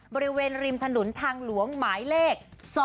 บริเวณริมถนนทางหลวงหมายเลข๒๕๖